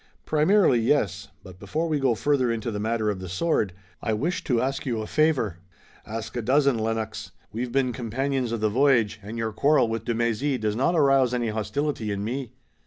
"Primarily, yes, but before we go further into the matter of the sword, I wish to ask you a favor." "Ask a dozen, Lennox. We've been companions of the voyage and your quarrel with de Mézy does not arouse any hostility in me."